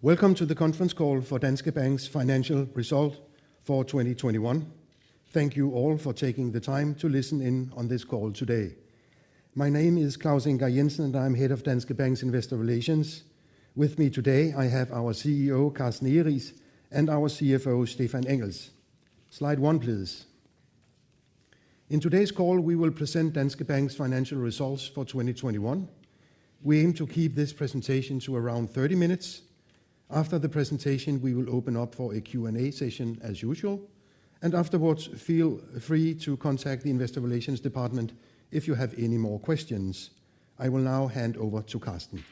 Welcome to the conference call for Danske Bank's financial result for 2021. Thank you all for taking the time to listen in on this call today. My name is Claus Ingar Jensen, and I'm Head of Danske Bank's Investor Relations. With me today, I have our CEO, Carsten Egeriis, and our CFO, Stephan Engels. Slide one, please. In today's call, we will present Danske Bank's financial results for 2021. We aim to keep this presentation to around 30 minutes. After the presentation, we will open up for a Q&A session as usual, and afterwards, feel free to contact the Investor Relations department if you have any more questions. I will now hand over to Carsten.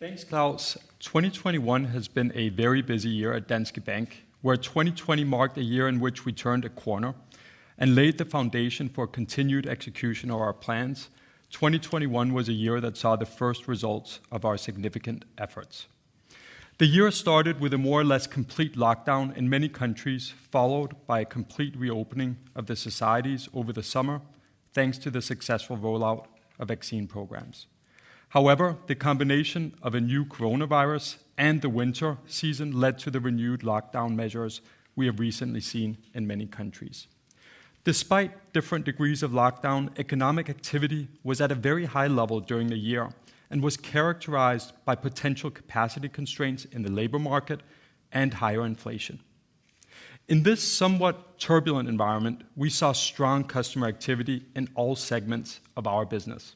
Thanks, Claus. 2021 has been a very busy year at Danske Bank, where 2020 marked a year in which we turned a corner and laid the foundation for continued execution of our plans. 2021 was a year that saw the first results of our significant efforts. The year started with a more or less complete lockdown in many countries, followed by a complete reopening of the societies over the summer, thanks to the successful rollout of vaccine programs. However, the combination of a new coronavirus and the winter season led to the renewed lockdown measures we have recently seen in many countries. Despite different degrees of lockdown, economic activity was at a very high level during the year and was characterized by potential capacity constraints in the labor market and higher inflation. In this somewhat turbulent environment, we saw strong customer activity in all segments of our business.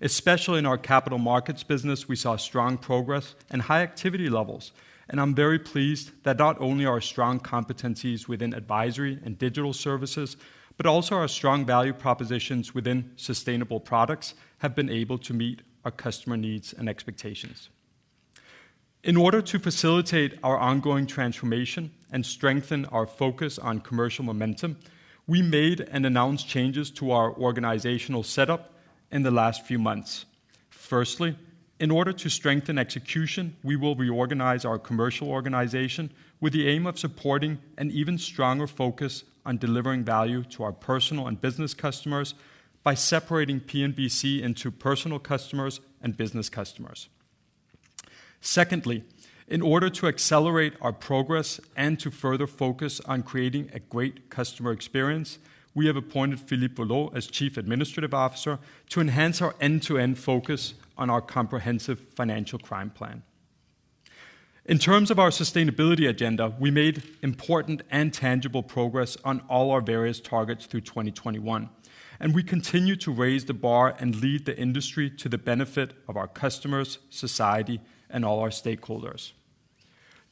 Especially in our capital markets business, we saw strong progress and high activity levels, and I'm very pleased that not only our strong competencies within advisory and digital services, but also our strong value propositions within sustainable products, have been able to meet our customer needs and expectations. In order to facilitate our ongoing transformation and strengthen our focus on commercial momentum, we made and announced changes to our organizational setup in the last few months. Firstly, in order to strengthen execution, we will reorganize our commercial organization with the aim of supporting an even stronger focus on delivering value to our personal and business customers by separating PNBC into personal customers and business customers. Secondly, in order to accelerate our progress and to further focus on creating a great customer experience, we have appointed Philippe Vollot as Chief Administrative Officer to enhance our end-to-end focus on our comprehensive financial crime plan. In terms of our sustainability agenda, we made important and tangible progress on all our various targets through 2021, and we continue to raise the bar and lead the industry to the benefit of our customers, society, and all our stakeholders.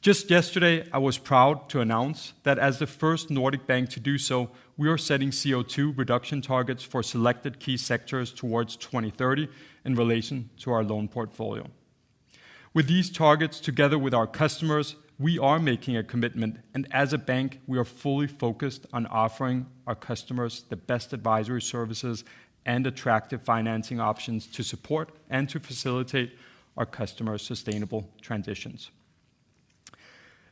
Just yesterday, I was proud to announce that as the first Nordic bank to do so, we are setting CO2 reduction targets for selected key sectors towards 2030 in relation to our loan portfolio. With these targets, together with our customers, we are making a commitment, and as a bank, we are fully focused on offering our customers the best advisory services and attractive financing options to support and to facilitate our customers' sustainable transitions.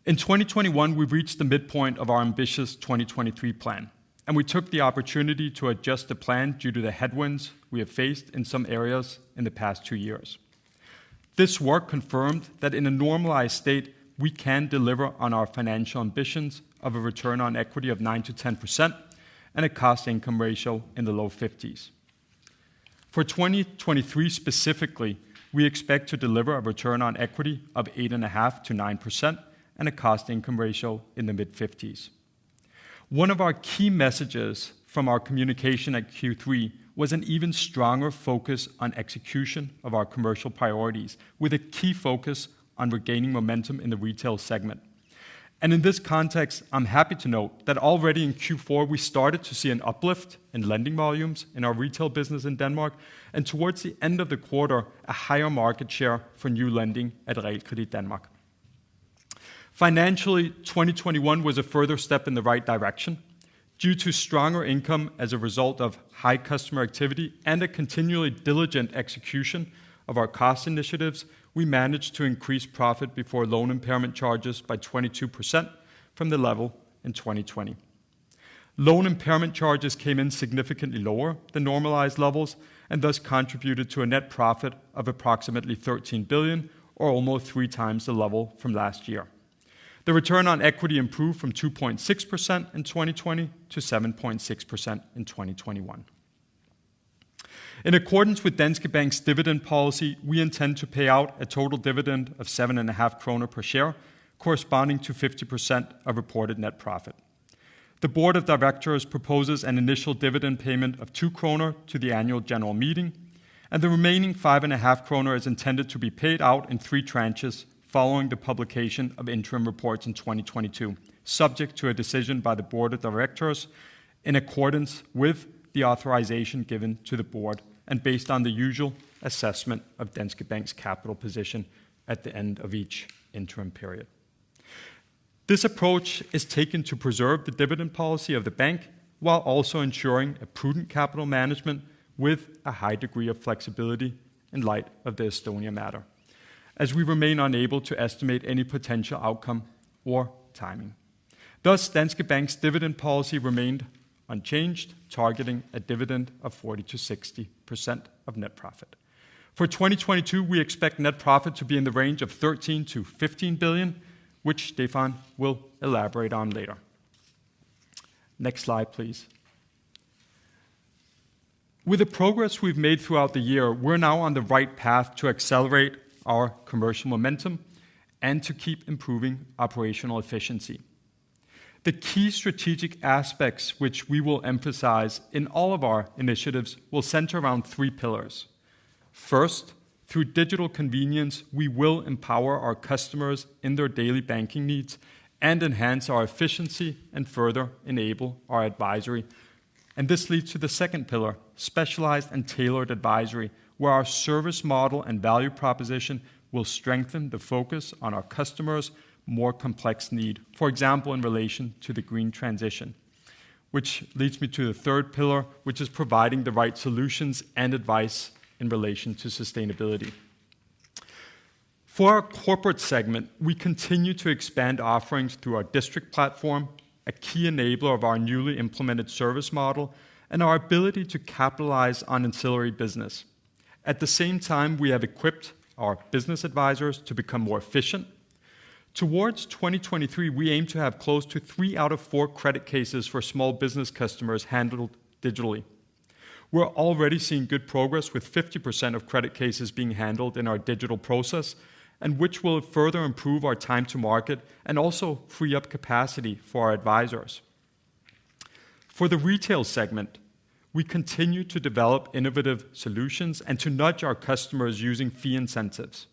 In 2021, we've reached the midpoint of our ambitious 2023 plan, and we took the opportunity to adjust the plan due to the headwinds we have faced in some areas in the past two years. This work confirmed that in a normalized state, we can deliver on our financial ambitions of a return on equity of 9%-10% and a cost-income ratio in the low 50s. For 2023 specifically, we expect to deliver a return on equity of 8.5%-9% and a cost-income ratio in the mid-50s. One of our key messages from our communication at Q3 was an even stronger focus on execution of our commercial priorities, with a key focus on regaining momentum in the retail segment. In this context, I'm happy to note that already in Q4, we started to see an uplift in lending volumes in our retail business in Denmark, and towards the end of the quarter, a higher market share for new lending at Realkredit Danmark. Financially, 2021 was a further step in the right direction. Due to stronger income as a result of high customer activity and a continually diligent execution of our cost initiatives, we managed to increase profit before loan impairment charges by 22% from the level in 2020. Loan impairment charges came in significantly lower than normalized levels and thus contributed to a net profit of approximately 13 billion or almost three times the level from last year. The return on equity improved from 2.6% in 2020 to 7.6% in 2021. In accordance with Danske Bank's dividend policy, we intend to pay out a total dividend of 7.5 krone per share, corresponding to 50% of reported net profit. The board of directors proposes an initial dividend payment of 2 kroner to the annual general meeting, and the remaining 5.5 kroner is intended to be paid out in three tranches following the publication of interim reports in 2022, subject to a decision by the board of directors in accordance with the authorization given to the board and based on the usual assessment of Danske Bank's capital position at the end of each interim period. This approach is taken to preserve the dividend policy of the bank while also ensuring a prudent capital management with a high degree of flexibility in light of the Estonia matter, as we remain unable to estimate any potential outcome or timing. Thus, Danske Bank's dividend policy remained unchanged, targeting a dividend of 40%-60% of net profit. For 2022, we expect net profit to be in the range of 13 billion-15 billion, which Stephan will elaborate on later. Next slide, please. With the progress we've made throughout the year, we're now on the right path to accelerate our commercial momentum and to keep improving operational efficiency. The key strategic aspects which we will emphasize in all of our initiatives will center around three pillars. First, through digital convenience, we will empower our customers in their daily banking needs and enhance our efficiency and further enable our advisory. This leads to the second pillar, specialized and tailored advisory, where our service model and value proposition will strengthen the focus on our customers' more complex need. For example, in relation to the green transition. Which leads me to the third pillar, which is providing the right solutions and advice in relation to sustainability. For our corporate segment, we continue to expand offerings through our District platform, a key enabler of our newly implemented service model, and our ability to capitalize on ancillary business. At the same time, we have equipped our business advisors to become more efficient. Towards 2023, we aim to have close to three out of four credit cases for small business customers handled digitally. We're already seeing good progress, with 50% of credit cases being handled in our digital process, and which will further improve our time to market and also free up capacity for our advisors. For the retail segment, we continue to develop innovative solutions and to nudge our customers using fee incentives.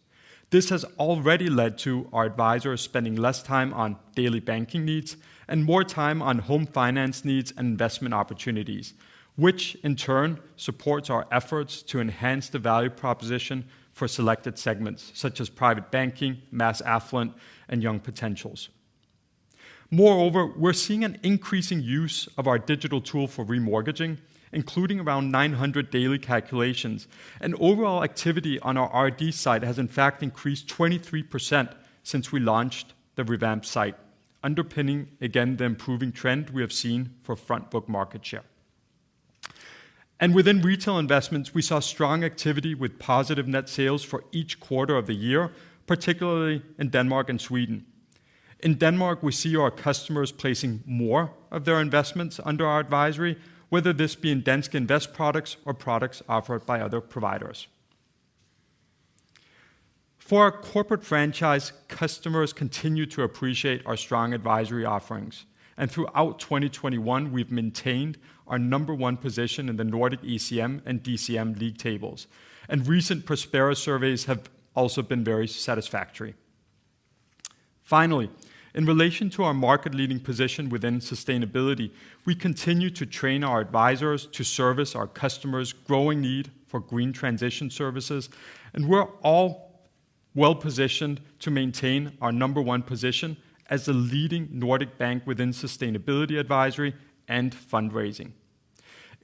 This has already led to our advisors spending less time on daily banking needs and more time on home finance needs and investment opportunities, which in turn supports our efforts to enhance the value proposition for selected segments such as private banking, mass affluent, and young potentials. Moreover, we're seeing an increasing use of our digital tool for remortgaging, including around 900 daily calculations. Overall activity on our RD site has in fact increased 23% since we launched the revamped site, underpinning again the improving trend we have seen for front book market share. Within retail investments, we saw strong activity with positive net sales for each quarter of the year, particularly in Denmark and Sweden. In Denmark, we see our customers placing more of their investments under our advisory, whether this be in Danske Invest products or products offered by other providers. For our corporate franchise, customers continue to appreciate our strong advisory offerings. Throughout 2021, we've maintained our number one position in the Nordic ECM and DCM league tables. Recent Prospera surveys have also been very satisfactory. Finally, in relation to our market-leading position within sustainability, we continue to train our advisors to service our customers' growing need for green transition services, and we're also well-positioned to maintain our number one position as the leading Nordic bank within sustainability advisory and fundraising.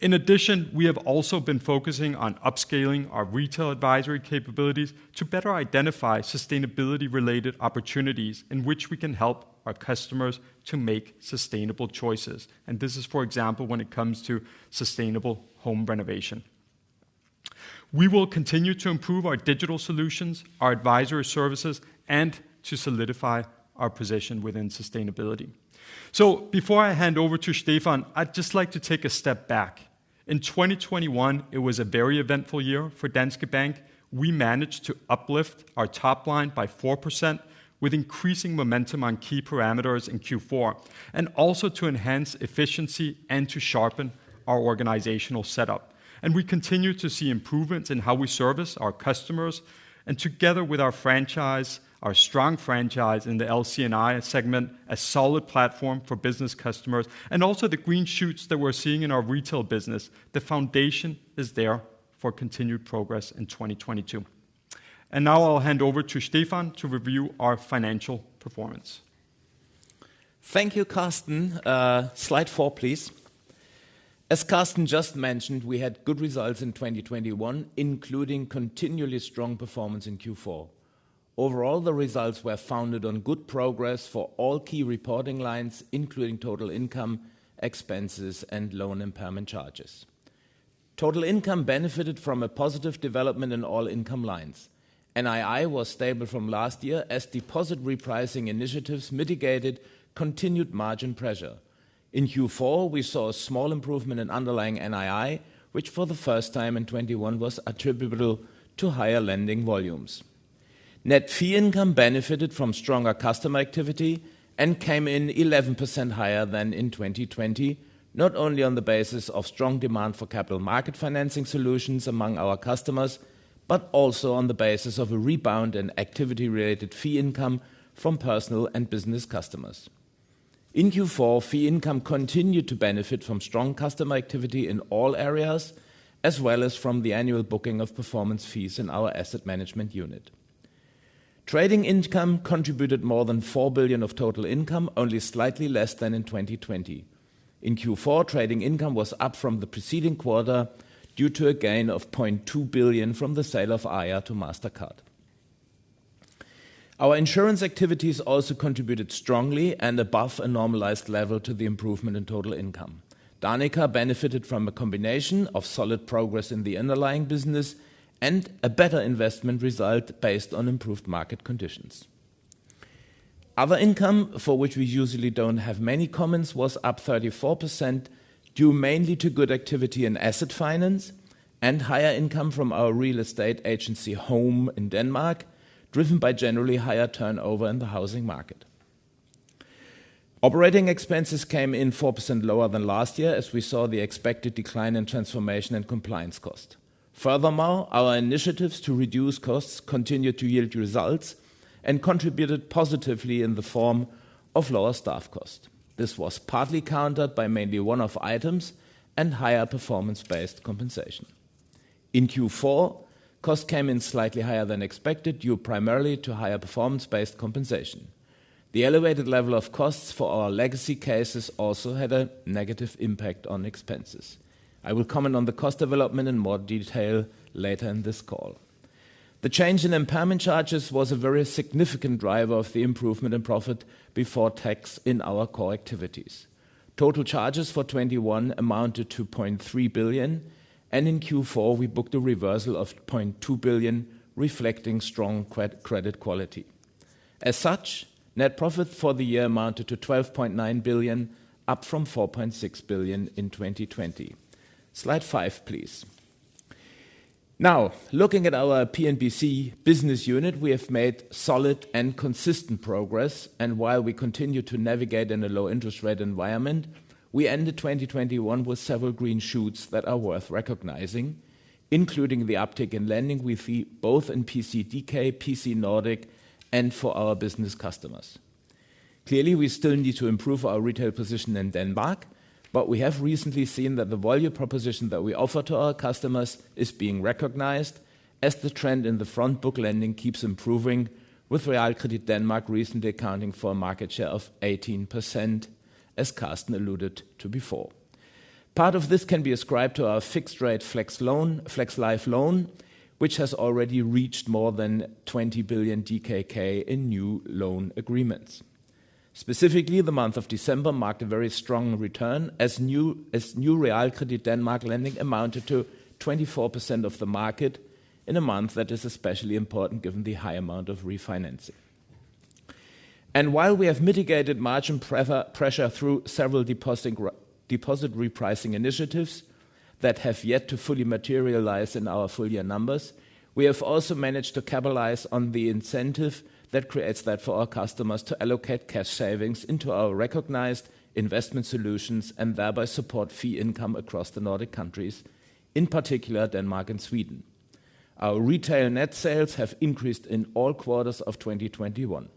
In addition, we have also been focusing on upscaling our retail advisory capabilities to better identify sustainability-related opportunities in which we can help our customers to make sustainable choices. This is, for example, when it comes to sustainable home renovation. We will continue to improve our digital solutions, our advisory services, and to solidify our position within sustainability. Before I hand over to Stephan, I'd just like to take a step back. In 2021, it was a very eventful year for Danske Bank. We managed to uplift our top line by 4% with increasing momentum on key parameters in Q4, and also to enhance efficiency and to sharpen our organizational setup. We continue to see improvements in how we service our customers, and together with our franchise, our strong franchise in the LC&I segment, a solid platform for business customers, and also the green shoots that we're seeing in our retail business, the foundation is there for continued progress in 2022. Now I'll hand over to Stephan to review our financial performance. Thank you, Carsten. Slide four, please. As Carsten just mentioned, we had good results in 2021, including continually strong performance in Q4. Overall, the results were founded on good progress for all key reporting lines, including total income, expenses, and loan impairment charges. Total income benefited from a positive development in all income lines. NII was stable from last year as deposit repricing initiatives mitigated continued margin pressure. In Q4, we saw a small improvement in underlying NII, which for the first time in 2021 was attributable to higher lending volumes. Net fee income benefited from stronger customer activity and came in 11% higher than in 2020, not only on the basis of strong demand for capital market financing solutions among our customers, but also on the basis of a rebound in activity-related fee income from personal and business customers. In Q4, fee income continued to benefit from strong customer activity in all areas, as well as from the annual booking of performance fees in our asset management unit. Trading income contributed more than 4 billion of total income, only slightly less than in 2020. In Q4, trading income was up from the preceding quarter due to a gain of 0.2 billion from the sale of Aiia to Mastercard. Our insurance activities also contributed strongly and above a normalized level to the improvement in total income. Danica benefited from a combination of solid progress in the underlying business and a better investment result based on improved market conditions. Other income, for which we usually don't have many comments, was up 34% due mainly to good activity in asset finance and higher income from our real estate agency home in Denmark, driven by generally higher turnover in the housing market. Operating expenses came in 4% lower than last year as we saw the expected decline in transformation and compliance cost. Furthermore, our initiatives to reduce costs continued to yield results and contributed positively in the form of lower staff cost. This was partly countered by mainly one-off items and higher performance-based compensation. In Q4, costs came in slightly higher than expected, due primarily to higher performance-based compensation. The elevated level of costs for our legacy cases also had a negative impact on expenses. I will comment on the cost development in more detail later in this call. The change in impairment charges was a very significant driver of the improvement in profit before tax in our core activities. Total charges for 2021 amounted to 0.3 billion, and in Q4 we booked a reversal of 0.2 billion, reflecting strong credit quality. As such, net profit for the year amounted to 12.9 billion, up from 4.6 billion in 2020. Slide five, please. Now, looking at our P&BC business unit, we have made solid and consistent progress, and while we continue to navigate in a low interest rate environment, we ended 2021 with several green shoots that are worth recognizing, including the uptick in lending we see both in PC DK, PC Nordic, and for our business customers. Clearly, we still need to improve our retail position in Denmark, but we have recently seen that the value proposition that we offer to our customers is being recognized as the trend in the front book lending keeps improving with Realkredit Danmark recently accounting for a market share of 18%, as Carsten alluded to before. Part of this can be ascribed to our fixed-rate FlexLife Loan, which has already reached more than 20 billion DKK in new loan agreements. Specifically, the month of December marked a very strong return as new Realkredit Danmark lending amounted to 24% of the market in a month that is especially important given the high amount of refinancing. While we have mitigated margin pressure through several deposit repricing initiatives that have yet to fully materialize in our full year numbers, we have also managed to capitalize on the incentive that creates that for our customers to allocate cash savings into our recognized investment solutions and thereby support fee income across the Nordic countries, in particular Denmark and Sweden. Our retail net sales have increased in all quarters of 2021.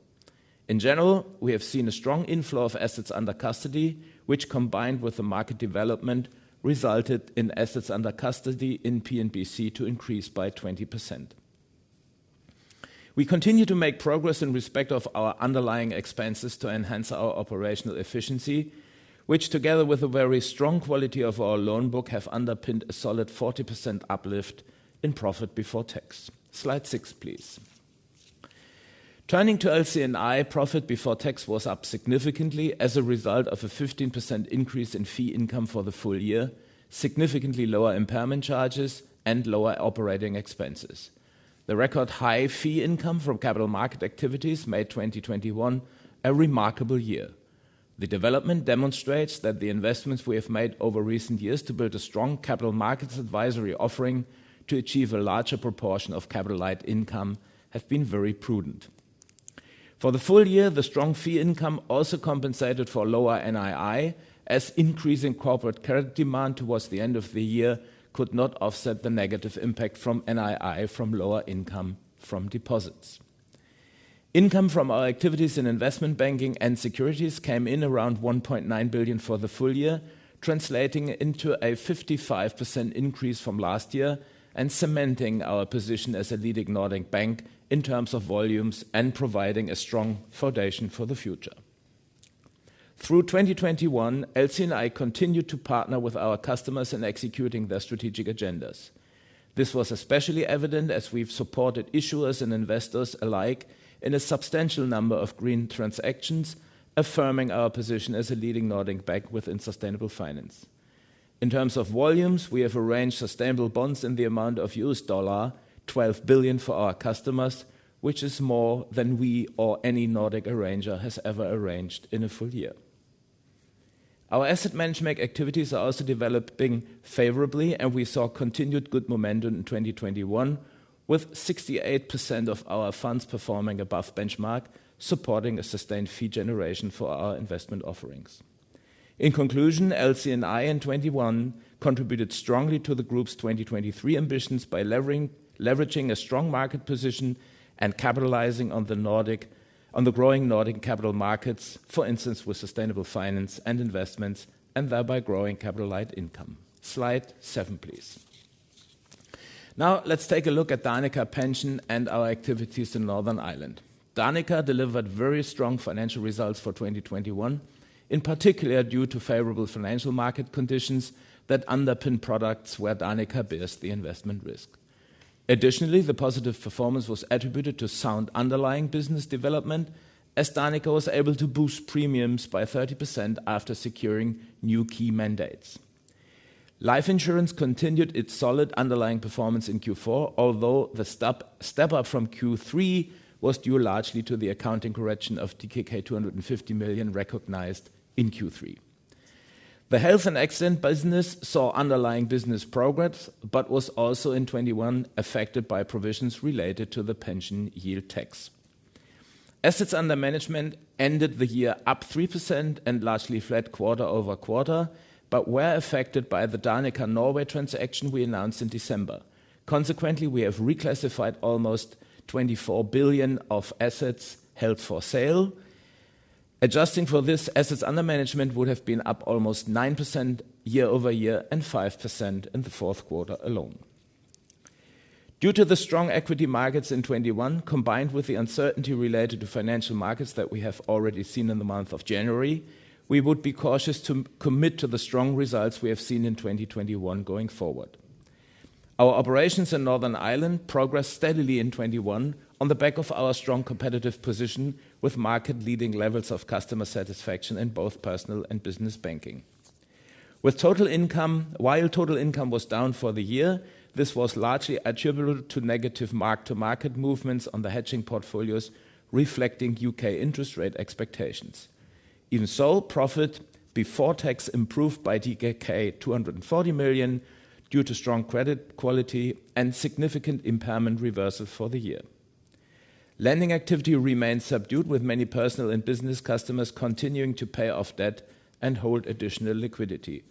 In general, we have seen a strong inflow of assets under custody, which, combined with the market development, resulted in assets under custody in PNBC to increase by 20%. We continue to make progress in respect of our underlying expenses to enhance our operational efficiency, which, together with the very strong quality of our loan book, have underpinned a solid 40% uplift in profit before tax. Slide six, please. Turning to LC&I, profit before tax was up significantly as a result of a 15% increase in fee income for the full year, significantly lower impairment charges, and lower operating expenses. The record high fee income from capital market activities made 2021 a remarkable year. The development demonstrates that the investments we have made over recent years to build a strong capital markets advisory offering to achieve a larger proportion of capital light income have been very prudent. For the full year, the strong fee income also compensated for lower NII as increasing corporate credit demand towards the end of the year could not offset the negative impact on NII from lower income from deposits. Income from our activities in investment banking and securities came in around 1.9 billion for the full year, translating into a 55% increase from last year and cementing our position as a leading Nordic bank in terms of volumes and providing a strong foundation for the future. Through 2021, LC&I continued to partner with our customers in executing their strategic agendas. This was especially evident as we've supported issuers and investors alike in a substantial number of green transactions, affirming our position as a leading Nordic bank within sustainable finance. In terms of volumes, we have arranged sustainable bonds in the amount of $12 billion for our customers, which is more than we or any Nordic arranger has ever arranged in a full year. Our asset management activities are also developing favorably, and we saw continued good momentum in 2021, with 68% of our funds performing above benchmark, supporting a sustained fee generation for our investment offerings. In conclusion, LC&I in 2021 contributed strongly to the Group's 2023 ambitions by leveraging a strong market position and capitalizing on the growing Nordic capital markets, for instance, with sustainable finance and investments, and thereby growing capital light income. Slide seven, please. Now let's take a look at Danica Pension and our activities in Northern Ireland. Danica delivered very strong financial results for 2021, in particular due to favorable financial market conditions that underpin products where Danica bears the investment risk. Additionally, the positive performance was attributed to sound underlying business development as Danica was able to boost premiums by 30% after securing new key mandates. Life insurance continued its solid underlying performance in Q4, although the step-up from Q3 was due largely to the accounting correction of DKK 250 million recognized in Q3. The health and accident business saw underlying business progress, but was also in 2021 affected by provisions related to the pension yield tax. Assets under management ended the year up 3% and largely flat quarter-over-quarter, but were affected by the Danica Pension Norway transaction we announced in December. Consequently, we have reclassified almost 24 billion of assets held for sale. Adjusting for this, assets under management would have been up almost 9% year-over-year and 5% in the fourth quarter alone. Due to the strong equity markets in 2021, combined with the uncertainty related to financial markets that we have already seen in the month of January, we would be cautious to commit to the strong results we have seen in 2021 going forward. Our operations in Northern Ireland progressed steadily in 2021 on the back of our strong competitive position with market-leading levels of customer satisfaction in both personal and business banking. While total income was down for the year, this was largely attributable to negative mark-to-market movements on the hedging portfolios reflecting U.K. interest rate expectations. In Sweden, profit before tax improved by DKK 240 million due to strong credit quality and significant impairment reversal for the year. Lending activity remains subdued, with many personal and business customers continuing to pay off debt and hold additional liquidity.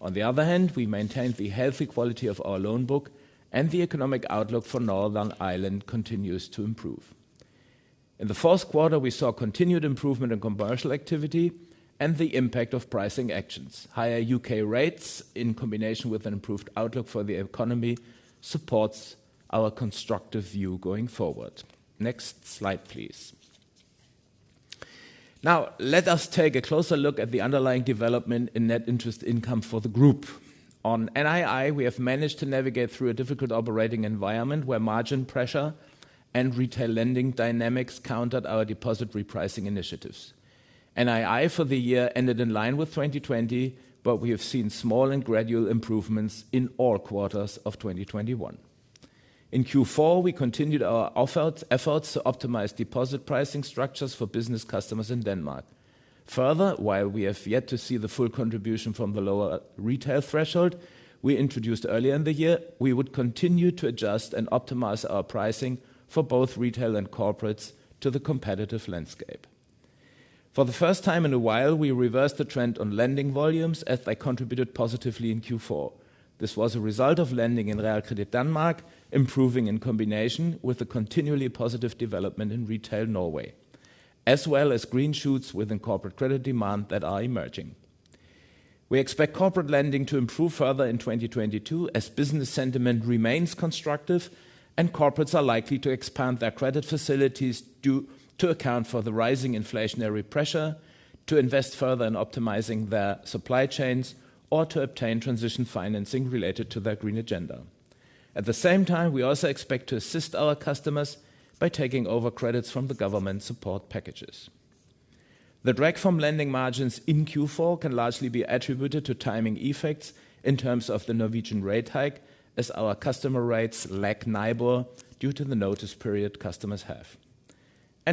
On the other hand, we maintained the healthy quality of our loan book, and the economic outlook for Northern Ireland continues to improve. In the fourth quarter, we saw continued improvement in commercial activity and the impact of pricing actions. Higher U.K. rates in combination with an improved outlook for the economy supports our constructive view going forward. Next slide, please. Now let us take a closer look at the underlying development in net interest income for the group. On NII, we have managed to navigate through a difficult operating environment where margin pressure and retail lending dynamics countered our deposit repricing initiatives. NII for the year ended in line with 2020, but we have seen small and gradual improvements in all quarters of 2021. In Q4, we continued our efforts to optimize deposit pricing structures for business customers in Denmark. Further, while we have yet to see the full contribution from the lower retail threshold we introduced earlier in the year, we would continue to adjust and optimize our pricing for both retail and corporates to the competitive landscape. For the first time in a while, we reversed the trend on lending volumes as they contributed positively in Q4. This was a result of lending in Realkredit Danmark improving in combination with the continually positive development in retail Norway, as well as green shoots within corporate credit demand that are emerging. We expect corporate lending to improve further in 2022 as business sentiment remains constructive and corporates are likely to expand their credit facilities in order to account for the rising inflationary pressure to invest further in optimizing their supply chains or to obtain transition financing related to their green agenda. At the same time, we also expect to assist our customers by taking over credits from the government support packages. The drag from lending margins in Q4 can largely be attributed to timing effects in terms of the Norwegian rate hike as our customer rates lag NIBOR due to the notice period customers have.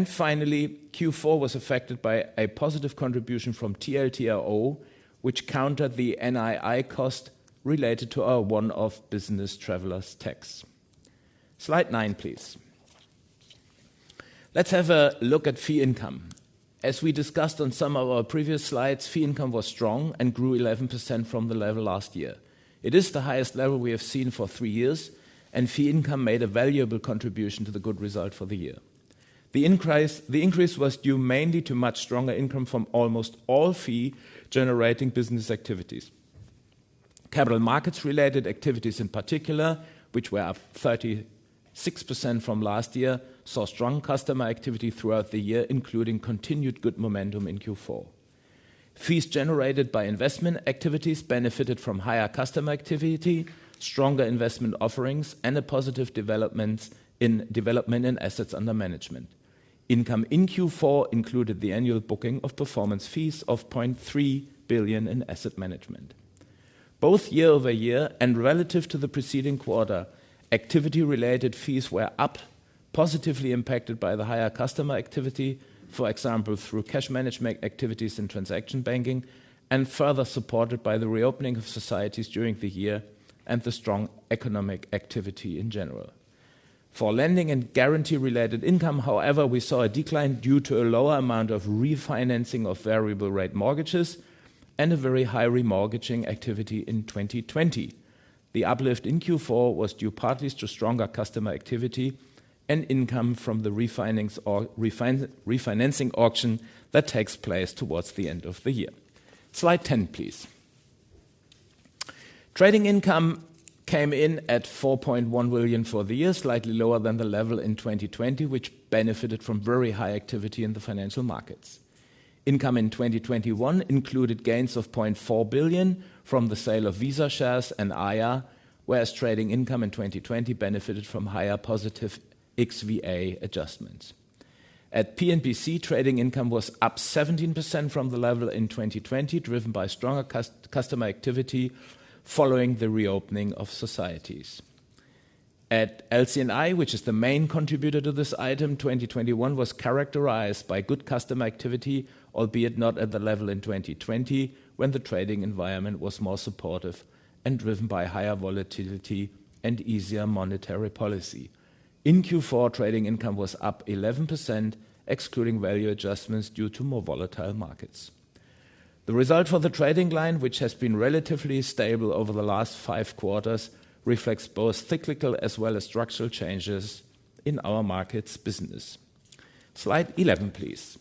Finally, Q4 was affected by a positive contribution from TLTRO, which countered the NII cost related to our one-off business travelers tax. Slide nine, please. Let's have a look at fee income. As we discussed on some of our previous slides, fee income was strong and grew 11% from the level last year. It is the highest level we have seen for three years, and fee income made a valuable contribution to the good result for the year. The increase was due mainly to much stronger income from almost all fee-generating business activities. Capital markets-related activities in particular, which were up 36% from last year, saw strong customer activity throughout the year, including continued good momentum in Q4. Fees generated by investment activities benefited from higher customer activity, stronger investment offerings, and a positive development in assets under management. Income in Q4 included the annual booking of performance fees of 0.3 billion in asset management. Both year-over-year and relative to the preceding quarter, activity-related fees were up, positively impacted by the higher customer activity, for example, through cash management activities in transaction banking, and further supported by the reopening of societies during the year and the strong economic activity in general. For lending and guarantee-related income, however, we saw a decline due to a lower amount of refinancing of variable rate mortgages and a very high remortgaging activity in 2020. The uplift in Q4 was due partly to stronger customer activity and income from the refinancing auction that takes place towards the end of the year. Slide 10, please. Trading income came in at 4.1 billion for the year, slightly lower than the level in 2020, which benefited from very high activity in the financial markets. Income in 2021 included gains of 0.4 billion from the sale of Visa shares and Aiia, whereas trading income in 2020 benefited from higher positive XVA adjustments. At PNBC, trading income was up 17% from the level in 2020, driven by stronger customer activity following the reopening of societies. At LC&I, which is the main contributor to this item, 2021 was characterized by good customer activity, albeit not at the level in 2020, when the trading environment was more supportive and driven by higher volatility and easier monetary policy. In Q4, trading income was up 11%, excluding value adjustments due to more volatile markets. The result for the trading line, which has been relatively stable over the last five quarters, reflects both cyclical as well as structural changes in our markets business. Slide 11, please.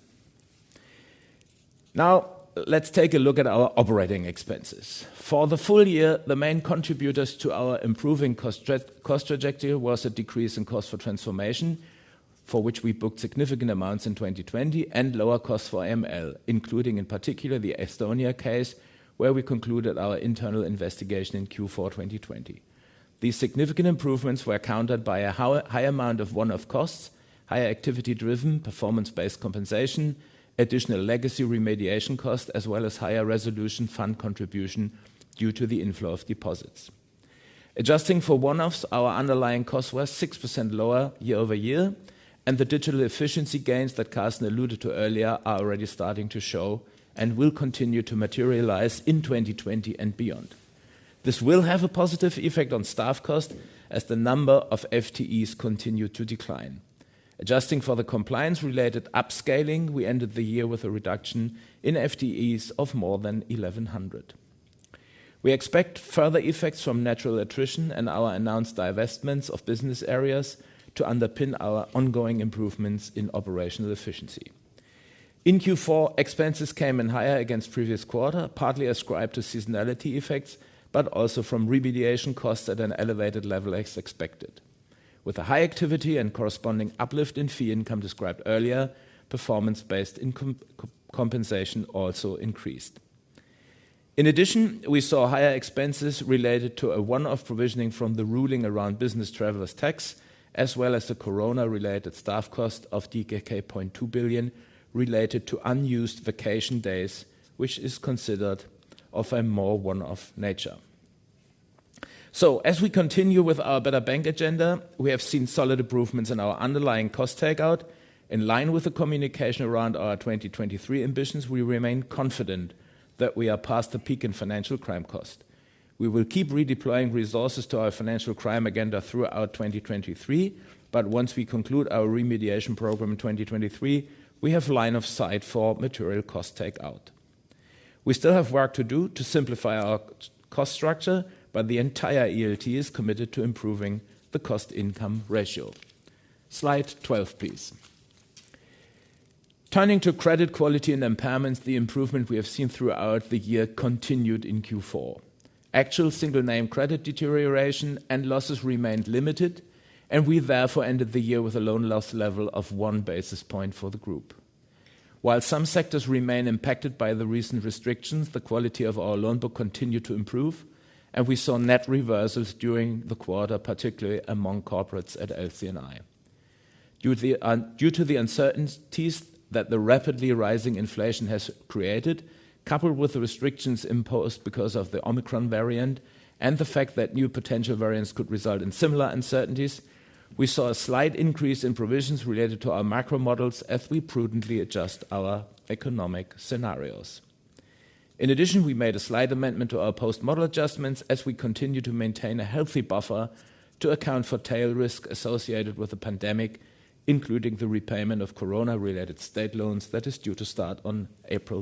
Now, let's take a look at our operating expenses. For the full year, the main contributors to our improving cost trajectory was a decrease in cost for transformation, for which we booked significant amounts in 2020 and lower costs for ML, including in particular the Estonia case, where we concluded our internal investigation in Q4 2020. These significant improvements were countered by a high amount of one-off costs, higher activity-driven performance-based compensation, additional legacy remediation costs, as well as higher resolution fund contribution due to the inflow of deposits. Adjusting for one-offs, our underlying costs were 6% lower year-over-year, and the digital efficiency gains that Carsten alluded to earlier are already starting to show and will continue to materialize in 2020 and beyond. This will have a positive effect on staff costs as the number of FTEs continue to decline. Adjusting for the compliance-related upscaling, we ended the year with a reduction in FTEs of more than 1,100. We expect further effects from natural attrition and our announced divestments of business areas to underpin our ongoing improvements in operational efficiency. In Q4, expenses came in higher against previous quarter, partly ascribed to seasonality effects, but also from remediation costs at an elevated level as expected. With the high activity and corresponding uplift in fee income described earlier, performance-based incentive compensation also increased. In addition, we saw higher expenses related to a one-off provisioning from the ruling around business travelers tax, as well as the corona-related staff cost of 0.2 billion related to unused vacation days, which is considered of a more one-off nature. As we continue with our Better Bank agenda, we have seen solid improvements in our underlying cost takeout. In line with the communication around our 2023 ambitions, we remain confident that we are past the peak in financial crime cost. We will keep redeploying resources to our financial crime agenda throughout 2023, but once we conclude our remediation program in 2023, we have line of sight for material cost takeout. We still have work to do to simplify our cost structure, but the entire ELT is committed to improving the cost-income ratio. Slide 12, please. Turning to credit quality and impairments, the improvement we have seen throughout the year continued in Q4. Actual single name credit deterioration and losses remained limited, and we therefore ended the year with a loan loss level of one basis point for the group. While some sectors remain impacted by the recent restrictions, the quality of our loan book continued to improve, and we saw net reversals during the quarter, particularly among corporates at LC&I. Due to the uncertainties that the rapidly rising inflation has created, coupled with the restrictions imposed because of the Omicron variant and the fact that new potential variants could result in similar uncertainties, we saw a slight increase in provisions related to our macro models as we prudently adjust our economic scenarios. In addition, we made a slight amendment to our post-model adjustments as we continue to maintain a healthy buffer to account for tail risk associated with the pandemic, including the repayment of corona-related state loans that is due to start on April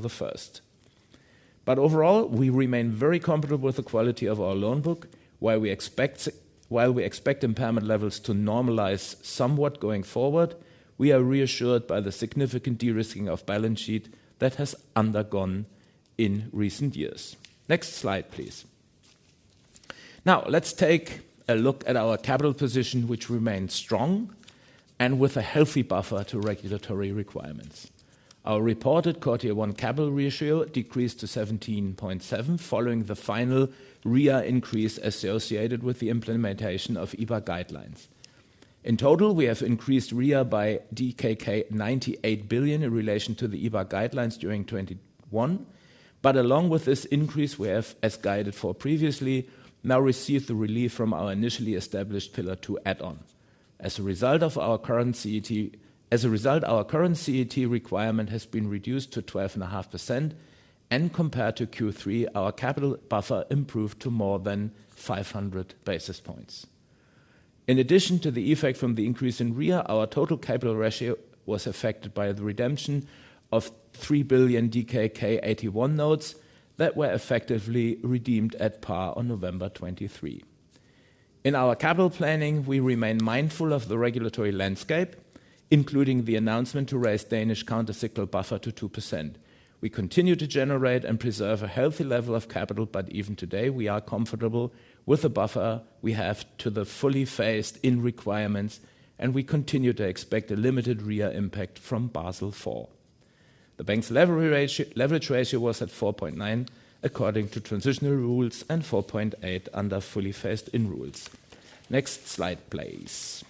1. Overall, we remain very comfortable with the quality of our loan book. While we expect impairment levels to normalize somewhat going forward, we are reassured by the significant de-risking of balance sheet that has undergone in recent years. Next slide, please. Now let's take a look at our capital position, which remains strong and with a healthy buffer to regulatory requirements. Our reported quarter one capital ratio decreased to 17.7 following the final RWA increase associated with the implementation of EBA guidelines. In total, we have increased RWA by DKK 98 billion in relation to the EBA guidelines during 2021. Along with this increase, we have, as guided for previously, now received the relief from our initially established Pillar II add-on. As a result, our current CET requirement has been reduced to 12.5%, and compared to Q3, our capital buffer improved to more than 500 basis points. In addition to the effect from the increase in RWA, our total capital ratio was affected by the redemption of DKK 3 billion AT1 notes that were effectively redeemed at par on November 23. In our capital planning, we remain mindful of the regulatory landscape, including the announcement to raise Danish countercyclical buffer to 2%. We continue to generate and preserve a healthy level of capital, but even today, we are comfortable with the buffer we have to the fully phased-in requirements, and we continue to expect a limited RWA impact from Basel IV. The bank's leverage ratio was at 4.9 according to transitional rules and 4.8 under fully phased-in rules. Next slide, please.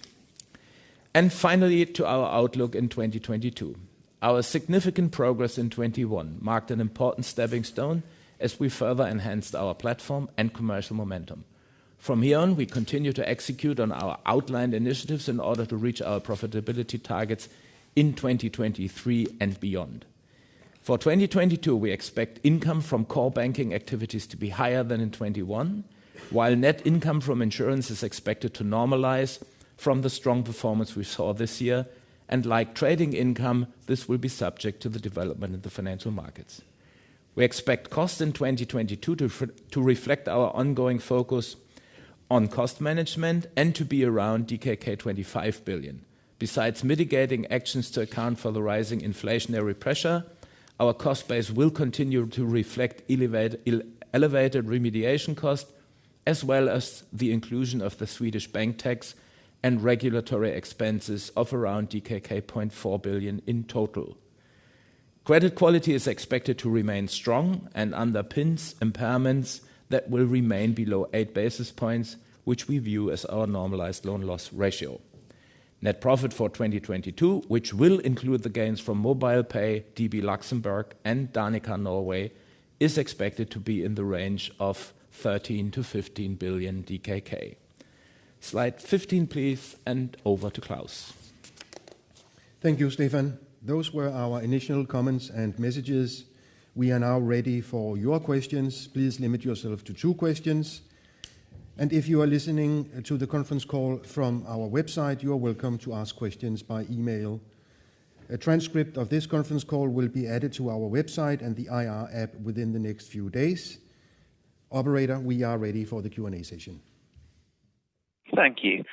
Finally, to our outlook in 2022. Our significant progress in 2021 marked an important stepping stone as we further enhanced our platform and commercial momentum. From here on, we continue to execute on our outlined initiatives in order to reach our profitability targets in 2023 and beyond. For 2022, we expect income from core banking activities to be higher than in 2021, while net income from insurance is expected to normalize from the strong performance we saw this year. Like trading income, this will be subject to the development of the financial markets. We expect costs in 2022 to reflect our ongoing focus on cost management and to be around DKK 25 billion. Besides mitigating actions to account for the rising inflationary pressure, our cost base will continue to reflect elevated remediation costs, as well as the inclusion of the Swedish bank tax and regulatory expenses of around DKK 0.4 billion in total. Credit quality is expected to remain strong and underpins impairments that will remain below 8 basis points, which we view as our normalized loan loss ratio. Net profit for 2022, which will include the gains from MobilePay, DB Luxembourg, and Danica Norway, is expected to be in the range of 13 billion-15 billion DKK. Slide 15, please, and over to Claus. Thank you, Stephan. Those were our initial comments and messages. We are now ready for your questions. Please limit yourself to two questions. If you are listening to the conference call from our website, you are welcome to ask questions by email. A transcript of this conference call will be added to our website and the IR app within the next few days. Operator, we are ready for the Q&A session. Thank you.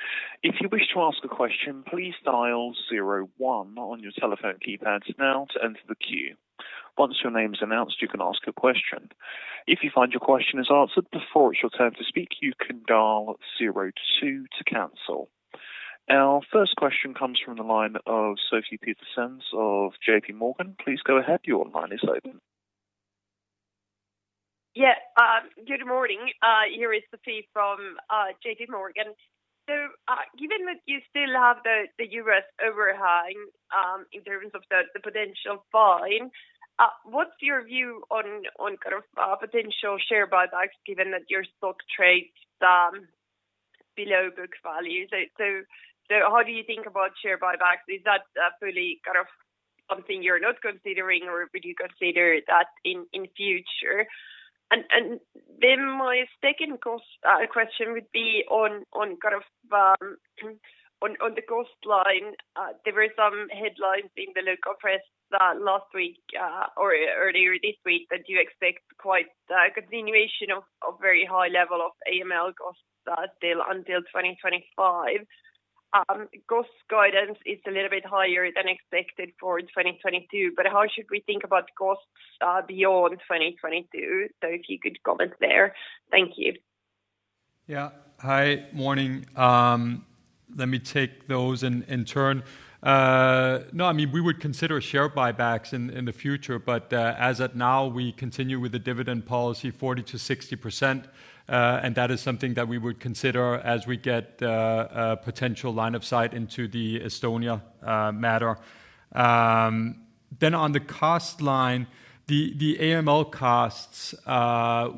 If you wish to ask a question, please dial zero one on your telephone keypads now to enter the queue. Once your name is announced, you can ask a question. If you find your question is answered before it's your turn to speak, you can dial zero two to cancel. Our first question comes from the line of Sofie Peterzens of J.P. Morgan. Please go ahead. Your line is open. Good morning. Here is Sophie from J.P. Morgan. Given that you still have the U.S. overhang in terms of the potential fine, what's your view on potential share buybacks given that your stock trades below book value? How do you think about share buybacks? Is that fully something you're not considering or would you consider that in future? And then my second question would be on the cost line. There were some headlines in the local press last week or earlier this week that you expect quite a continuation of very high level of AML costs until 2025. Cost guidance is a little bit higher than expected for 2022, but how should we think about costs beyond 2022? If you could comment there. Thank you. Yeah. Hi. Morning. Let me take those in turn. No, I mean, we would consider share buybacks in the future, but as at now, we continue with the dividend policy 40%-60%. That is something that we would consider as we get a potential line of sight into the Estonia matter. On the cost line, the AML costs,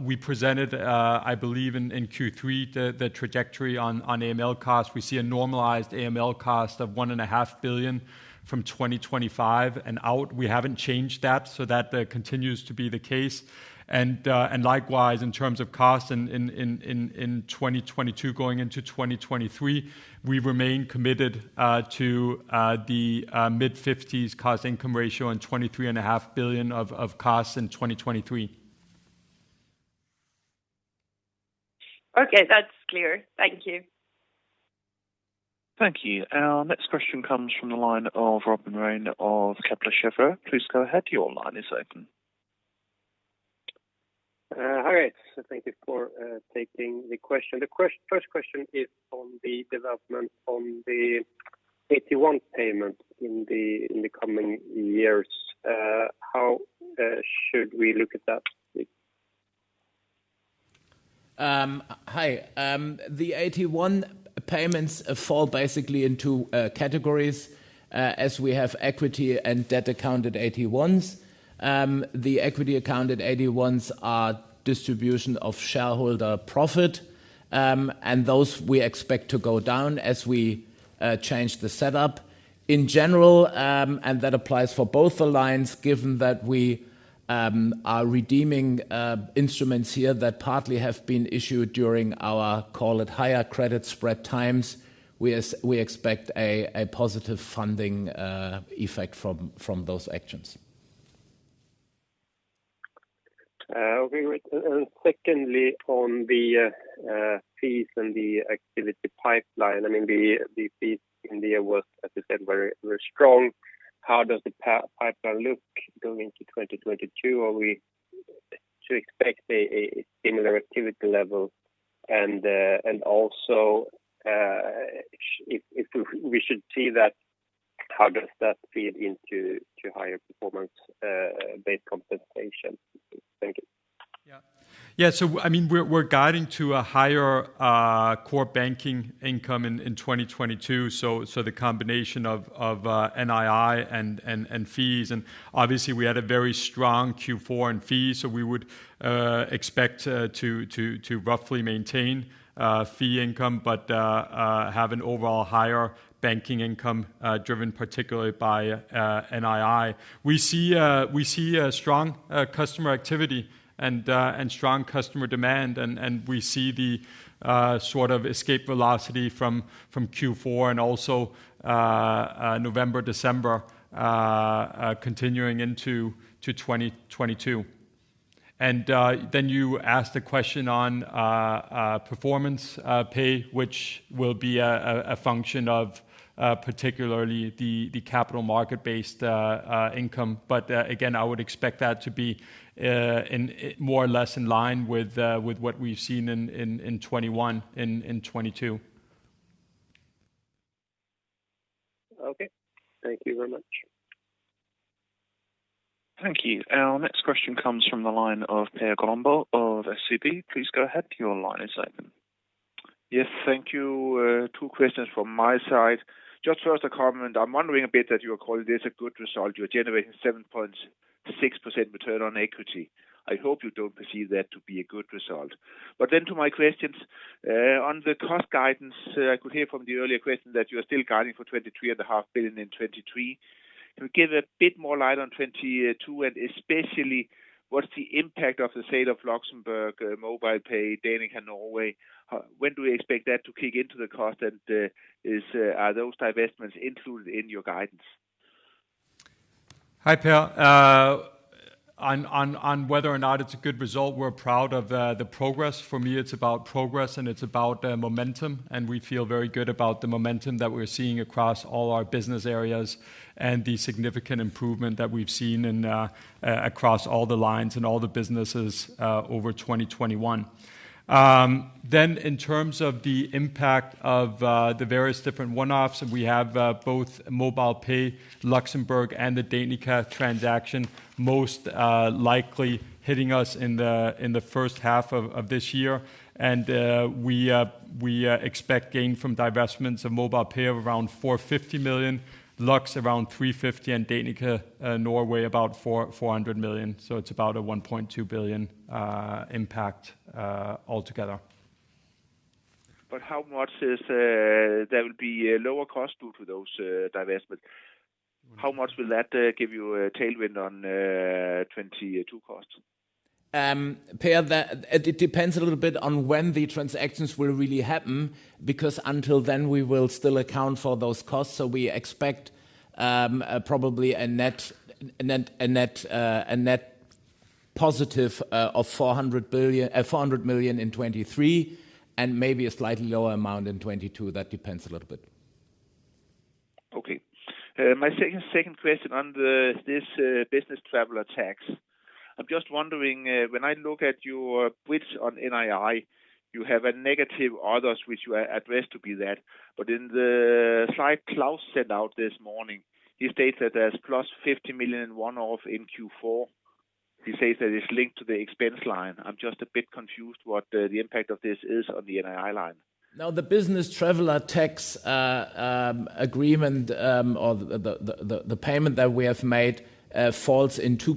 we presented, I believe in Q3, the trajectory on AML costs. We see a normalized AML cost of 1.5 billion from 2025 and out. We haven't changed that, so that continues to be the case. Likewise, in terms of costs in 2022 going into 2023, we remain committed to the mid-50s% cost-income ratio and 23.5 billion of costs in 2023. Okay. That's clear. Thank you. Thank you. Our next question comes from the line of Robin Rane of Kepler Cheuvreux. Please go ahead. Your line is open. Hi. Thank you for taking the question. The first question is on the development of the AT1 payment in the coming years. How should we look at that? Hi. The AT1 payments fall basically into categories as we have equity and debt accounted AT1s. The equity accounted AT1s are distribution of shareholder profit, and those we expect to go down as we change the setup. In general, and that applies for both the lines, given that we are redeeming instruments here that partly have been issued during our, call it, higher credit spread times, we expect a positive funding effect from those actions. Okay. Secondly, on the fees and the activity pipeline, I mean, the fees in there was, as you said, very, very strong. How does the pipeline look going into 2022? Are we to expect a similar activity level and also, if we should see that, how does that feed into higher performance-based compensation? Thank you. I mean, we're guiding to a higher core banking income in 2022, the combination of NII and fees, and obviously we had a very strong Q4 in fees, so we would expect to roughly maintain fee income, but have an overall higher banking income driven particularly by NII. We see a strong customer activity and strong customer demand and we see the sort of escape velocity from Q4 and also November, December continuing into 2022. Then you asked a question on performance pay, which will be a function of particularly the capital market-based income. Again, I would expect that to be more or less in line with what we've seen in 2021, in 2022. Okay. Thank you very much. Thank you. Our next question comes from the line of Per Grønborg of SEB. Please go ahead. Your line is open. Yes. Thank you. Two questions from my side. Just first a comment. I'm wondering a bit that you are calling this a good result. You're generating 7.6% return on equity. I hope you don't perceive that to be a good result. To my questions, on the cost guidance, I could hear from the earlier question that you are still guiding for 23.5 billion in 2023. Can you give a bit more light on 2022, and especially what's the impact of the sale of Luxembourg, MobilePay, Danica Norway? When do we expect that to kick into the cost, and are those divestments included in your guidance? Hi, Per. On whether or not it's a good result, we're proud of the progress. For me, it's about progress, and it's about momentum, and we feel very good about the momentum that we're seeing across all our business areas and the significant improvement that we've seen in across all the lines and all the businesses over 2021. Then in terms of the impact of the various different one-offs, we have both MobilePay, Luxembourg, and the Danica transaction most likely hitting us in the first half of this year. We expect gain from divestments of MobilePay of around 450 million, Lux around 350 million, and Danica Norway about 400 million. It's about a 1.2 billion impact altogether. How much will there be a lower cost due to those divestment? How much will that give you a tailwind on 2022 costs? Per, it depends a little bit on when the transactions will really happen, because until then, we will still account for those costs. We expect probably a net positive of 400 million in 2023, and maybe a slightly lower amount in 2022. That depends a little bit. Okay. My second question on the business travelers tax. I'm just wondering, when I look at your bridge on NII, you have a negative others which you attribute to be that. In the slide Claus set out this morning, he states that there's plus 50 million one-off in Q4. He says that it's linked to the expense line. I'm just a bit confused what the impact of this is on the NII line. Now, the business travelers tax agreement, or the payment that we have made, falls in two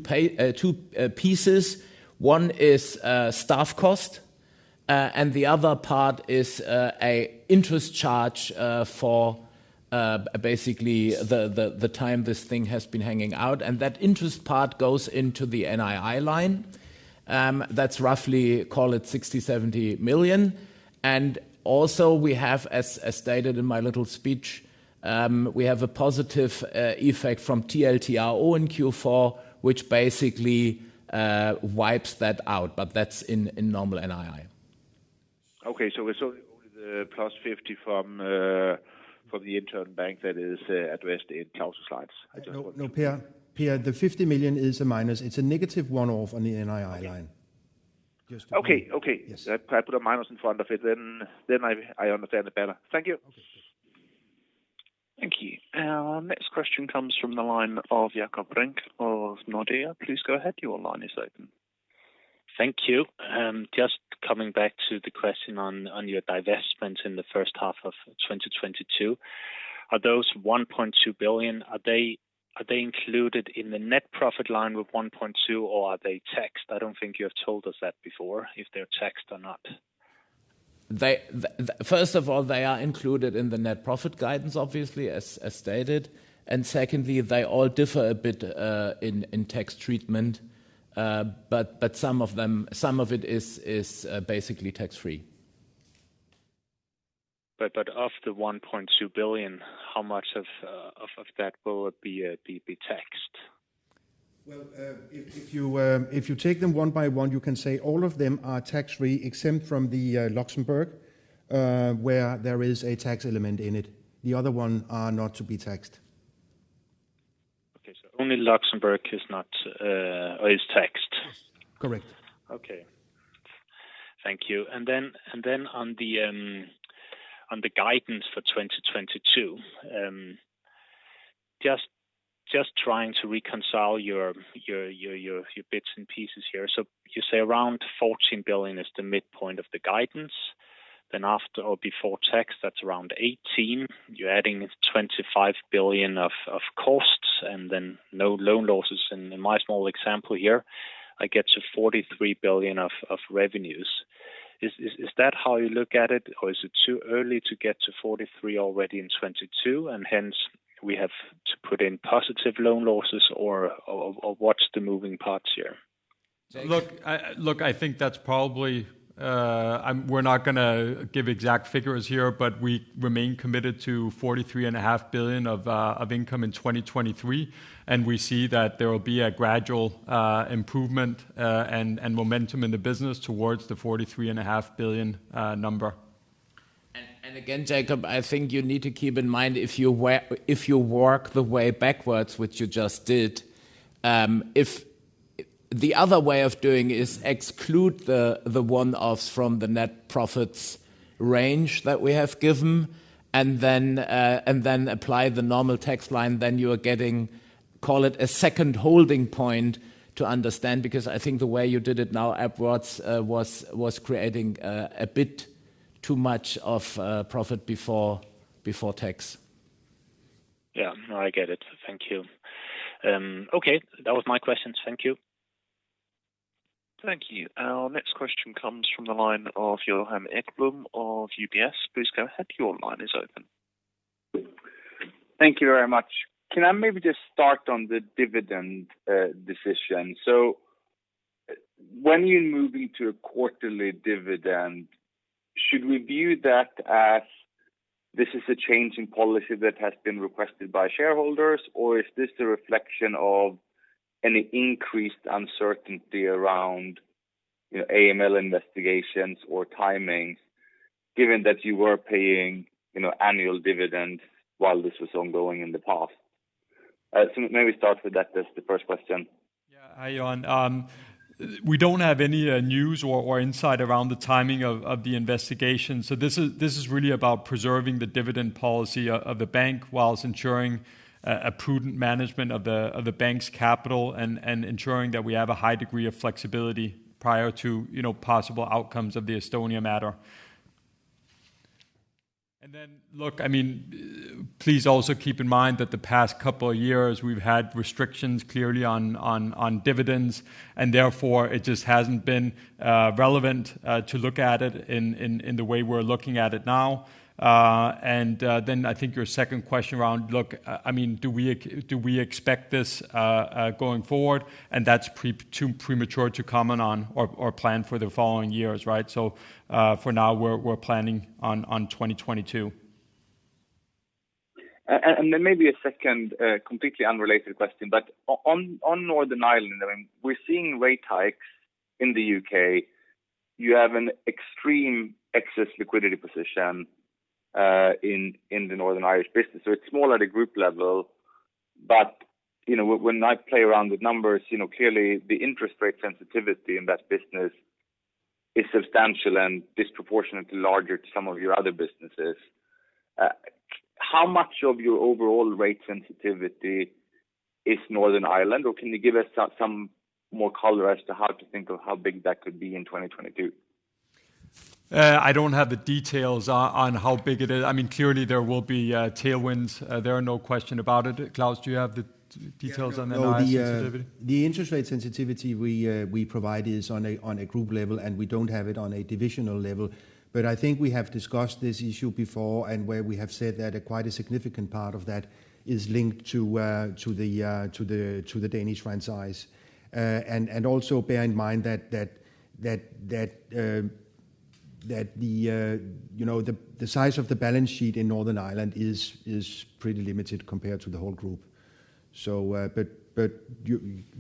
pieces. One is staff cost, and the other part is a interest charge for basically the time this thing has been hanging out. That interest part goes into the NII line. That's roughly, call it 60 million-70 million. We have, as stated in my little speech, a positive effect from TLTRO in Q4, which basically wipes that out, but that's in normal NII. Okay. We're still with the +50 from the interbank that is addressed in Claus' slides. I just want to be clear. No, Per. The 50 million is a minus. It's a negative one-off on the NII line. Okay. Just to be- Okay. Yes. If I put a minus in front of it, then I understand it better. Thank you. Okay. Thank you. Our next question comes from the line of Jakob Brink of Nordea. Please go ahead. Your line is open. Thank you. Just coming back to the question on your divestment in the first half of 2022. Are those 1.2 billion included in the net profit line with 1.2 billion, or are they taxed? I don't think you have told us that before, if they're taxed or not. First of all, they are included in the net profit guidance, obviously as stated. Secondly, they all differ a bit in tax treatment. Some of it is basically tax-free. Of the 1.2 billion, how much of that will be taxed? Well, if you take them one by one, you can say all of them are tax-free, exempt from the Luxembourg where there is a tax element in it. The other one are not to be taxed. Okay. Only Luxembourg is taxed. Correct. Okay. Thank you. Then on the guidance for 2022, just trying to reconcile your bits and pieces here. You say around 14 billion is the midpoint of the guidance. Then after or before tax, that's around 18. You're adding 25 billion of costs and then no loan losses. In my small example here, I get to 43 billion of revenues. Is that how you look at it or is it too early to get to 43 already in 2022 and hence we have to put in positive loan losses or what's the moving parts here? I think that's probably. We're not gonna give exact figures here, but we remain committed to 43 and a half billion of income in 2023, and we see that there will be a gradual improvement and momentum in the business towards the 43 and a half billion number. Again, Jacob, I think you need to keep in mind if you work the way backwards, which you just did. The other way of doing is exclude the one-offs from the net profits range that we have given and then apply the normal tax line, then you are getting, call it a second holding point to understand, because I think the way you did it now upwards was creating a bit too much of profit before tax. Yeah. No, I get it. Thank you. Okay. That was my questions. Thank you. Thank you. Our next question comes from the line of Johan Ekblom of UBS. Please go ahead. Your line is open. Thank you very much. Can I maybe just start on the dividend decision? When you're moving to a quarterly dividend, should we view that as this is a change in policy that has been requested by shareholders, or is this a reflection of any increased uncertainty around, you know, AML investigations or timings, given that you were paying, you know, annual dividends while this was ongoing in the past? Maybe start with that as the first question. Hi, Johan. We don't have any news or insight around the timing of the investigation. This is really about preserving the dividend policy of the bank whilst ensuring a prudent management of the bank's capital and ensuring that we have a high degree of flexibility prior to, you know, possible outcomes of the Estonia matter. Look, I mean, please also keep in mind that the past couple of years we've had restrictions clearly on dividends, and therefore it just hasn't been relevant to look at it in the way we're looking at it now. I think your second question around, look, I mean, do we expect this going forward? That's too premature to comment on or plan for the following years, right? For now we're planning on 2022. Then maybe a second completely unrelated question. On Northern Ireland, I mean, we're seeing rate hikes in the U.K. You have an extreme excess liquidity position in the Northern Irish business. It's small at a group level, but, you know, when I play around with numbers, you know, clearly the interest rate sensitivity in that business is substantial and disproportionately larger to some of your other businesses. How much of your overall rate sensitivity is Northern Ireland, or can you give us some more color as to how to think of how big that could be in 2022? I don't have the details on how big it is. I mean, clearly there will be tailwinds. There's no question about it. Claus, do you have the details on the Irish sensitivity? No. The interest rate sensitivity we provide is on a group level, and we don't have it on a divisional level. I think we have discussed this issue before and where we have said that quite a significant part of that is linked to the Danish franchise. Also bear in mind that the size of the balance sheet in Northern Ireland is pretty limited compared to the whole group.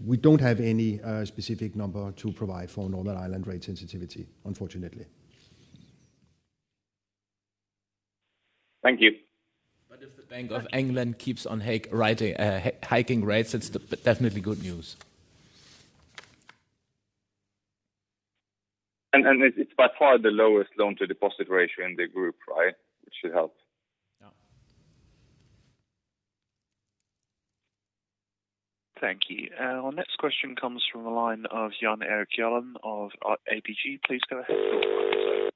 We don't have any specific number to provide for Northern Ireland rate sensitivity, unfortunately. Thank you. If the Bank of England keeps on hiking rates, it's definitely good news. It's by far the lowest loan to deposit ratio in the group, right? Which should help. Yeah. Thank you. Our next question comes from the line of Jan Erik Gjerland of ABG. Please go ahead. Your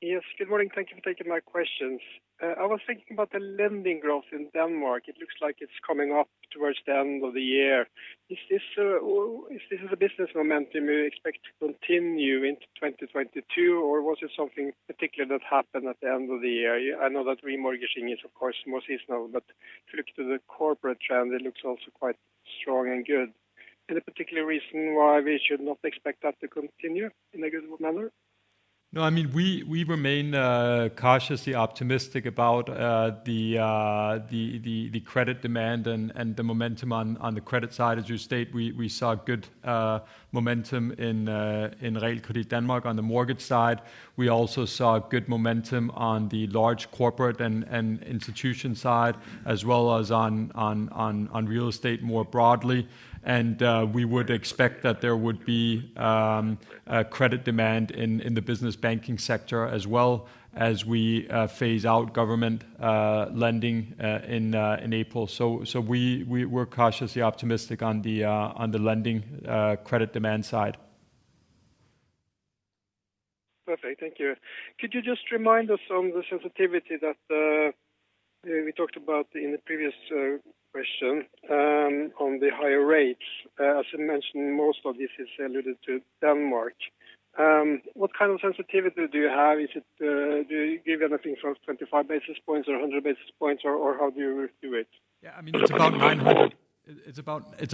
line is open. Yes. Good morning. Thank you for taking my questions. I was thinking about the lending growth in Denmark. It looks like it's coming up towards the end of the year. Is this or is this the business momentum you expect to continue into 2022, or was it something particular that happened at the end of the year? I know that remortgaging is of course more seasonal, but if you look to the corporate trend, it looks also quite strong and good. Any particular reason why we should not expect that to continue in a good manner? No, I mean, we remain cautiously optimistic about the credit demand and the momentum on the credit side. As you state, we saw good momentum in Realkredit Danmark on the mortgage side. We also saw good momentum on the large corporate and institution side, as well as on real estate more broadly. We would expect that there would be credit demand in the business banking sector as well as we phase out government lending in April. We're cautiously optimistic on the lending credit demand side. Perfect. Thank you. Could you just remind us on the sensitivity that we talked about in the previous question on the higher rates? As you mentioned, most of this is related to Denmark. What kind of sensitivity do you have? Is it do you give anything from 25 basis points or 100 basis points, or how do you do it? Yeah, I mean, it's about 900 million. It's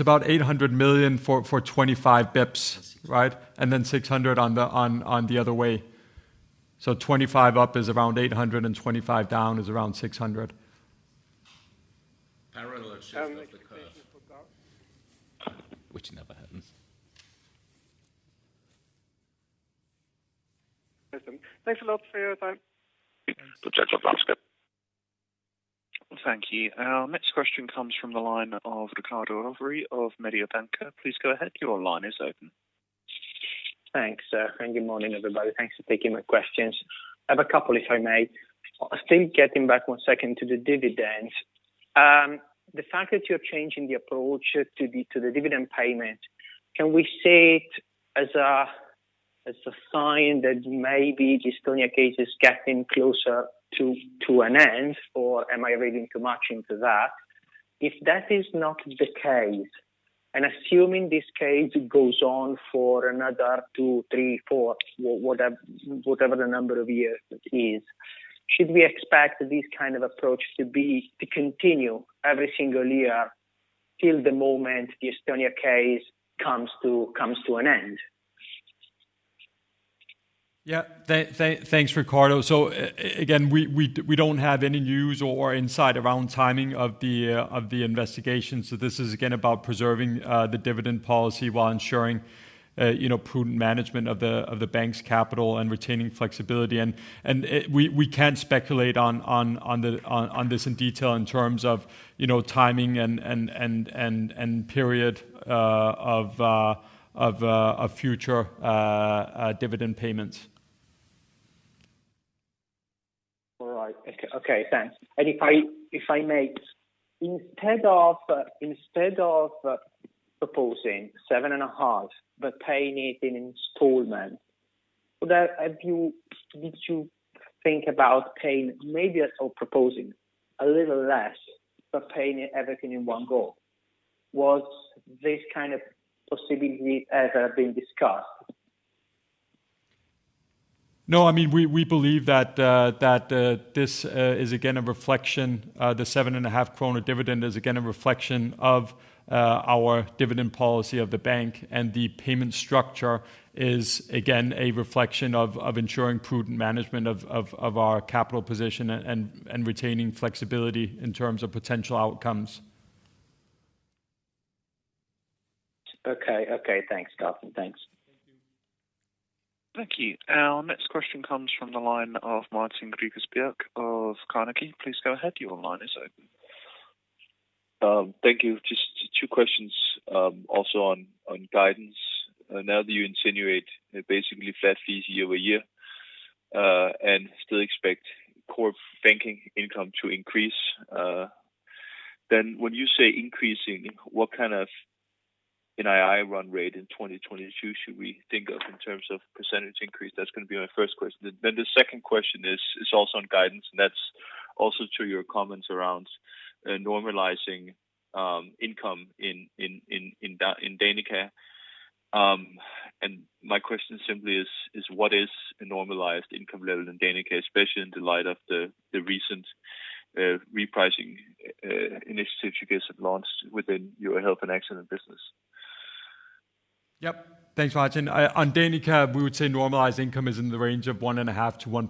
about 800 million for 25 bps, right? Then 600 million on the other way. Twenty-five up is around 800 million, and twenty-five down is around 600 million. The potential for down? Which never happens. Listen, thanks a lot for your time. Thank you. Our next question comes from the line of Riccardo Rovere of Mediobanca. Please go ahead. Your line is open. Thanks, sir, and good morning, everybody. Thanks for taking my questions. I have a couple, if I may. Still getting back to the dividends. The fact that you're changing the approach to the dividend payment, can we see it as a sign that maybe Estonia case is getting closer to an end, or am I reading too much into that? If that is not the case, and assuming this case goes on for another two, three, four, whatever the number of years it is, should we expect this kind of approach to continue every single year till the moment the Estonia case comes to an end? Yeah. Thanks, Riccardo. Again, we don't have any news or insight around timing of the investigation. This is again about preserving the dividend policy while ensuring you know prudent management of the bank's capital and retaining flexibility. We can't speculate on this in detail in terms of you know timing and period of future dividend payments. All right. Okay, thanks. If I may, instead of proposing 7.5, but paying it in installment, did you think about paying maybe or proposing a little less, but paying everything in one go? Was this kind of possibility ever been discussed? No. I mean, we believe that this is again a reflection. The 7.5 kroner dividend is again a reflection of our dividend policy of the bank, and the payment structure is again a reflection of our capital position and retaining flexibility in terms of potential outcomes. Okay. Okay. Thanks, Carsten. Thanks. Thank you. Our next question comes from the line of Martin Gregers Birk of Carnegie. Please go ahead. Your line is open. Thank you. Just two questions, also on guidance. Now that you insinuate basically flat fees year-over-year, and still expect core banking income to increase, then when you say increasing, what kind of NII run rate in 2020 should we think of in terms of percentage increase? That's gonna be my first question. The second question is also on guidance, and that's also to your comments around normalizing income in Danica. And my question simply is, what is a normalized income level in Danica, especially in the light of the recent repricing initiative you guys have launched within your health and accident business? Yep. Thanks, Martin. On Danica, we would say normalized income is in the range of 1.5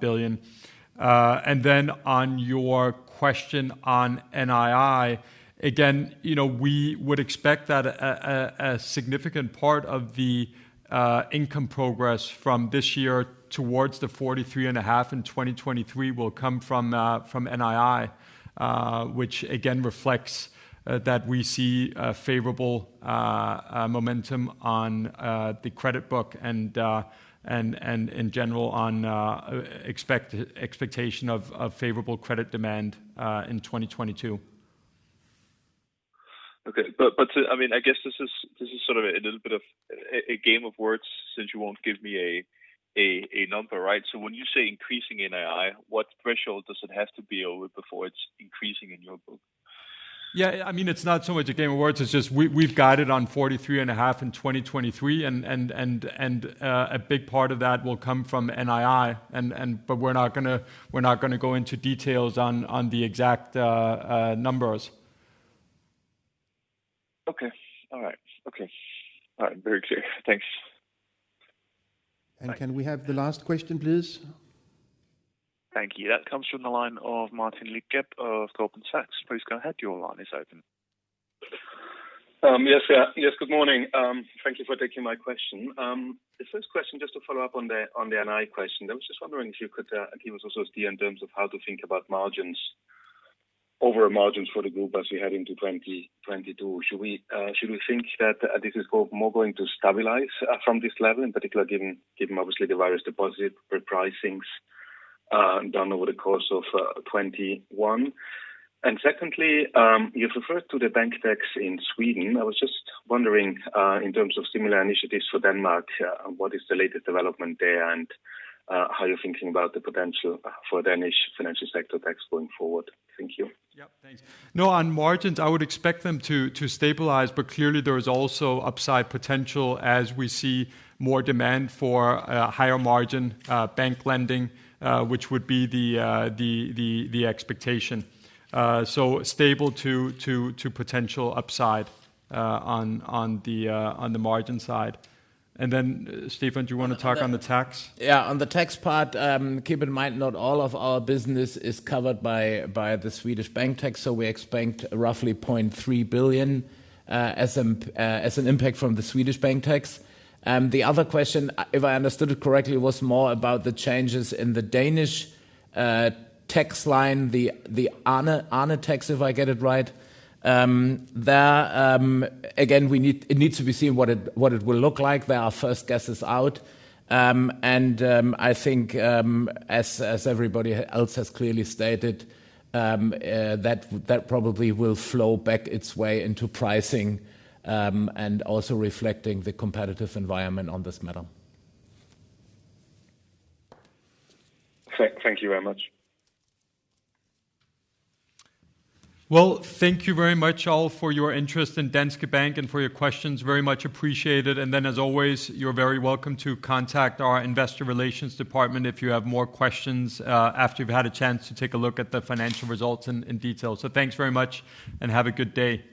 billion-1.7 billion. Then on your question on NII, again, you know, we would expect that a significant part of the income progress from this year towards the 43.5 billion in 2023 will come from NII, which again reflects that we see a favorable momentum on the credit book and in general on expectation of favorable credit demand in 2022. Okay. I mean, I guess this is sort of a little bit of a game of words since you won't give me a number, right? When you say increasing NII, what threshold does it have to be over before it's increasing in your book? I mean, it's not so much a game of words, it's just we've guided on 43 and a half in 2023, and a big part of that will come from NII, but we're not gonna go into details on the exact numbers. Okay. All right, very clear. Thanks. Can we have the last question, please? Thank you. That comes from the line of Martin Leitgeb of Goldman Sachs. Please go ahead, your line is open. Yes, good morning. Thank you for taking my question. The first question, just to follow up on the NI question. I was just wondering if you could give us also a view in terms of how to think about margins, overall margins for the group as we head into 2022. Should we think that this is more going to stabilize from this level, in particular given obviously the various deposit repricings done over the course of 2021? Secondly, you referred to the bank tax in Sweden. I was just wondering, in terms of similar initiatives for Denmark, what is the latest development there? How you're thinking about the potential for Danish financial sector tax going forward. Thank you. Yeah, thanks. No, on margins, I would expect them to stabilize, but clearly there is also upside potential as we see more demand for higher margin bank lending, which would be the expectation. So stable to potential upside on the margin side. Then, Stephan, do you wanna talk on the tax? Yeah. On the tax part, keep in mind not all of our business is covered by the Swedish bank tax, so we expect roughly 0.3 billion as an impact from the Swedish bank tax. The other question, if I understood it correctly, was more about the changes in the Danish tax line, the Arne tax, if I get it right. There, again, it needs to be seen what it will look like. There are first guesses out, and I think, as everybody else has clearly stated, that probably will flow back its way into pricing, and also reflecting the competitive environment on this matter. Thank you very much. Well, thank you very much all for your interest in Danske Bank and for your questions. Very much appreciated. And then as always, you're very welcome to contact our investor relations department if you have more questions after you've had a chance to take a look at the financial results in detail. Thanks very much and have a good day.